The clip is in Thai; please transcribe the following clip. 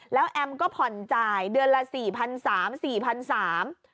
แล้วแอมติดต่อมายืมก็ผ่อนจ่ายเดือนละสี่พันธุ์สามสี่พันธุ์สาม